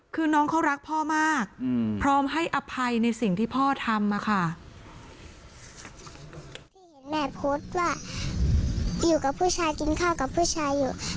คือน้องเขารักพ่อมากพร้อมให้อภัยในสิ่งที่พ่อทำอะค่ะ